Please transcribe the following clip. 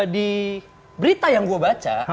di berita yang gue baca